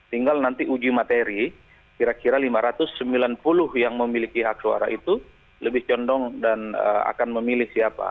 tinggal nanti uji materi kira kira lima ratus sembilan puluh yang memiliki hak suara itu lebih condong dan akan memilih siapa